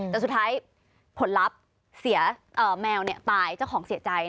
แต่สุดท้ายผลลัพธ์เสียแมวตายเจ้าของเสียใจ